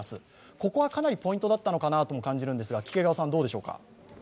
ここはかなりポイントだったとも感じるんですがどうでしょうか。